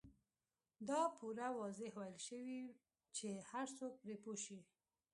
دا پوره واضح ويل شوي چې هر څوک پرې پوه شي.